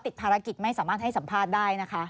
ภารกิจไม่สามารถให้สัมภาษณ์ได้นะคะ